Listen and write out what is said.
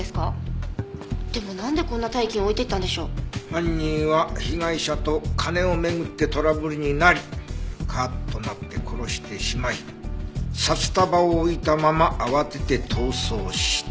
犯人は被害者と金を巡ってトラブルになりカーッとなって殺してしまい札束を置いたまま慌てて逃走したとか？